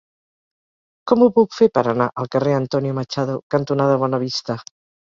Com ho puc fer per anar al carrer Antonio Machado cantonada Bonavista?